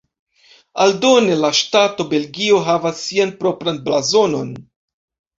Aldone la ŝtato Belgio havas sian propran blazonon.